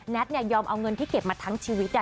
ยอมเอาเงินที่เก็บมาทั้งชีวิต